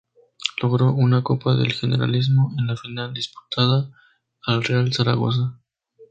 Logró una Copa del Generalísimo en la final disputada al Real Zaragoza.